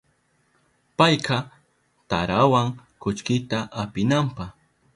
Payka tarawan kullkita apinanpa.